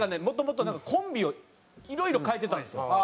もともとコンビをいろいろ変えてたんですよ。